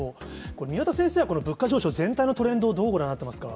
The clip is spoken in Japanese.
宮田先生はこの物価上昇全体のトレンドをどうご覧になってますか。